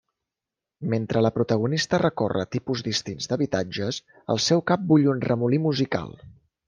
Mentre la protagonista recorre tipus distints d'habitatges, al seu cap bull un remolí musical.